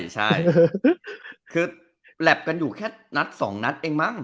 ใช่คือแหลบกันอยู่แค่นัดสองนัดเองมั้ง